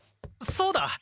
そうだ！